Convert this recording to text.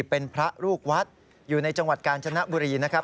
เป็นพระลูกวัดอยู่ในจังหวัดกาญจนบุรีนะครับ